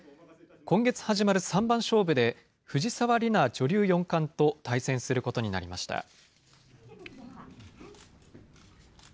今月始まる三番勝負で、藤沢里菜女流四冠と対戦することになりました。